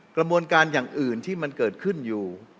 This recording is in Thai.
กระบวนการอย่างอื่นที่มันเกิดขึ้นอยู่